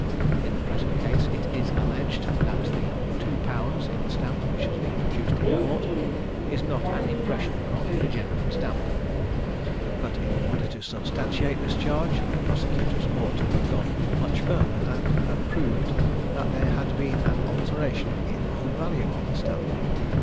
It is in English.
In the present case it is alleged, that the "II Pounds" in the stamp which has been produced in court is not an impression from the genuine stamp. But in order to substantiate this charge, the prosecutors ought to have gone much further, and have proved that there had been an alteration in the value of the stamp.